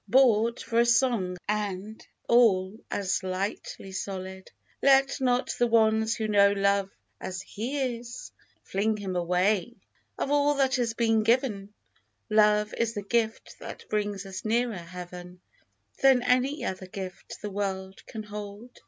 Bought for a song and all as lightly sold. Let not the ones who know Love as he is Fling him away ! Of all that has been given, Love is the gift that brings us nearer Heaven Than any other gift the world can hold.